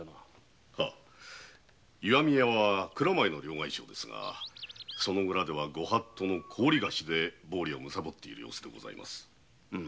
石見屋は蔵前の両替商ですがその裏ではご法度の高利貸しで暴利をむさぼっている様子でございます。